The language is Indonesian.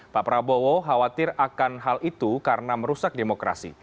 pak prabowo khawatir akan hal itu karena merusak demokrasi